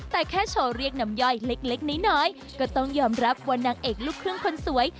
แต่แค่โชว์เรียกน้ำย่อยเล็กน้อยก็ต้องยอมรับว่านางเอกลูกครึ่งคนสวย